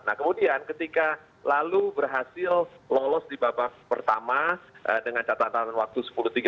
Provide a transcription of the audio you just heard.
nah kemudian ketika lalu berhasil lolos di babak pertama dengan catatan waktu sepuluh tiga puluh